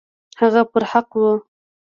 هغه پر حقه وو.